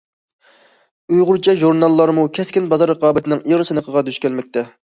ئۇيغۇرچە ژۇرناللارمۇ كەسكىن بازار رىقابىتىنىڭ ئېغىر سىنىقىغا دۇچ كەلمەكتە.